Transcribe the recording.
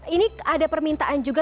ini ada permintaan juga